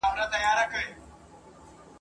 نن به زما جنازه اخلي سبا ستا په وینو سور دی !.